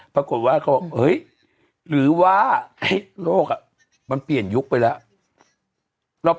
ปรากฏว่าเขาหรือว่าโรคมันเปลี่ยนยุคไปแล้ว